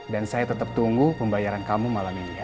dan saya tetep tunggu pembayaran kamu malam ini ya